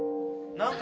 何か。